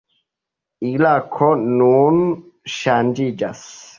Irako nun ŝanĝiĝas.